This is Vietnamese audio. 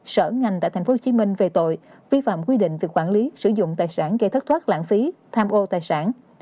sở ngành tại tp hcm về tội vi phạm quy định về quản lý sử dụng tài sản gây thất thoát lãng phí tham ô tài sản